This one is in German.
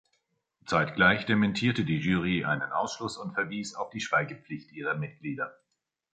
Zeitgleich dementierte die Jury einen Ausschluss und verwies auf die Schweigepflicht ihrer Mitglieder.